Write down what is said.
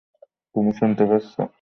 তুমি শুনতে পাচ্ছ?